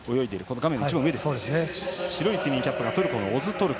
画面一番上の白いスイミングキャップがトルコのオズトォルク。